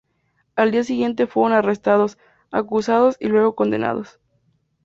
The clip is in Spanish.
Al día siguiente fueron arrestados, acusados y luego condenados.